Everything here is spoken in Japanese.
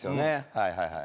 はいはいはい。